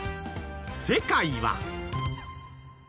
世界は。